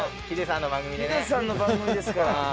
ヒデさんの番組ですから。